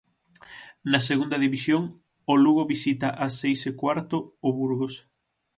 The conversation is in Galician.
Na Segunda División, o Lugo visita as seis e cuarto o Burgos.